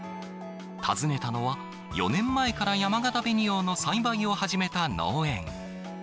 訪ねたのは、４年前からやまがた紅王の栽培を始めた農園。